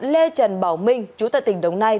lê trần bảo minh chú tại tỉnh đồng nai